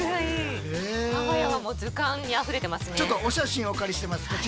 お写真お借りしてます。